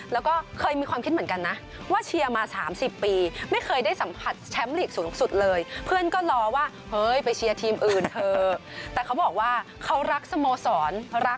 แล้วก็เคยมีความคิดเหมือนกันน่ะ